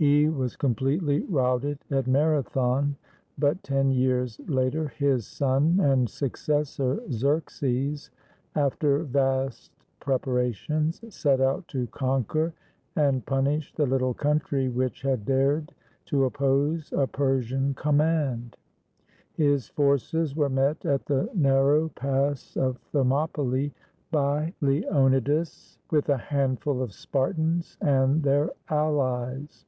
He was completely routed at Marathon; but ten years later his son and successor Xerxes, after vast preparations, set out to conquer and punish the little country which had dared to oppose a Persian command. His forces were met at the narrow pass of Thermopylae by Leonidas with a handful of Spartans and their allies.